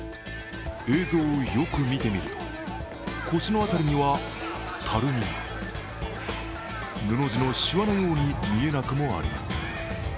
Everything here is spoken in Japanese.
映像をよく見てみると腰の辺りには、たるみ、布地のしわのように見えなくもありません。